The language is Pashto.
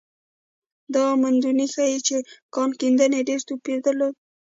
دا موندنې ښيي چې کان کیندنې ډېر توپیر درلود.